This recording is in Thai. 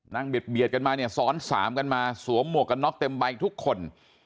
เบียดกันมาเนี่ยซ้อนสามกันมาสวมหมวกกันน็อกเต็มใบทุกคน